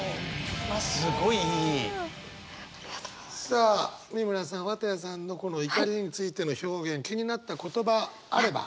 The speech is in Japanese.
さあ美村さん綿矢さんのこの怒りについての表現気になった言葉あれば。